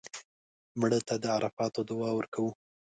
مړه ته د عرفاتو دعا ورکوو